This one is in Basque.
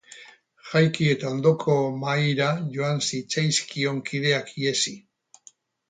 Jaiki eta ondoko mahaira joan zitzaizkion kideak ihesi.